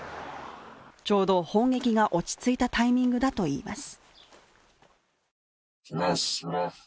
ちょうど砲撃が落ち着いたタイミングだといいます。